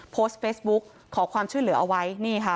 โพสต์เฟสบุ๊คขอความช่วยเหลือเอาไว้